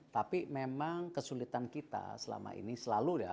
tapi memang kesulitan kita selama ini selalu ya